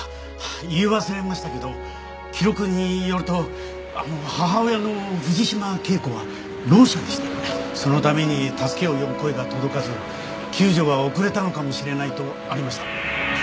言い忘れましたけど記録によると母親の藤島圭子は聾者でしてそのために助けを呼ぶ声が届かず救助が遅れたのかもしれないとありました。